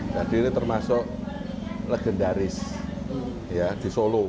jadi ini termasuk legendaris di solo